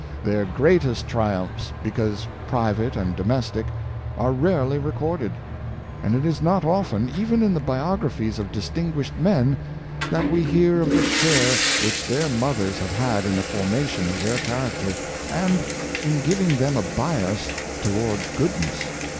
Their greatest triumphs, because private and domestic, are rarely recorded; and it is not often, even in the biog raphies of distinguished men, that we hear of the share HISTORIAN'S OFFICE Church of J^^us Christ Power qf^Good^WomSn. 101 which their mothers have had in the formation of their character, and in giving them a bias towards goodness.